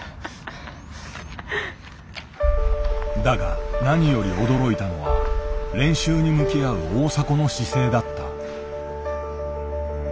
だが何より驚いたのは練習に向き合う大迫の姿勢だった。